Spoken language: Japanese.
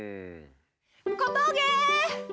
小峠！